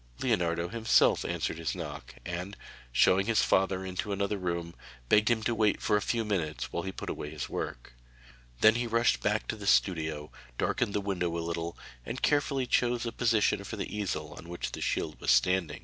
Leonardo himself answered his knock, and, showing his father into another room, begged him to wait for a few minutes while he put away his work. Then he rushed back to the studio, darkened the window a little, and carefully chose a position for the easel on which the shield was standing.